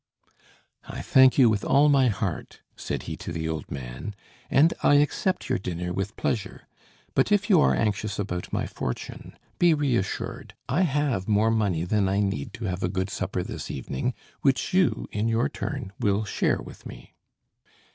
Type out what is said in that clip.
"I thank you with all my heart," said he to the old man, "and I accept your dinner with pleasure; but, if you are anxious about my fortune, be reassured. I have more money than I need to have a good supper this evening, which you, in your turn, will share with me."